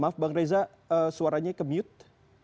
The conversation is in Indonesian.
maaf bang reza suaranya ke mute